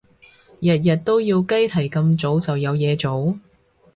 日日都要雞啼咁早就有嘢做？